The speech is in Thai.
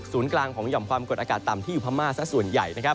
ศูนย์กลางของย่อมความกดอากาศต่ำที่อยู่พม่าซะส่วนใหญ่